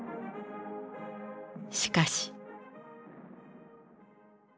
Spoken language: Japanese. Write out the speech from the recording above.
しかし。